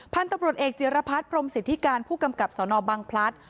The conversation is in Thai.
พันธุ์ตำรวจเอกจิรพัฒน์พรมสิทธิการผู้กำกับสนบังพลัด